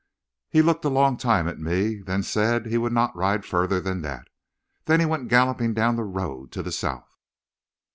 "He looked a long time at me, then said he would not ride farther than that. Then he went galloping down the road to the south."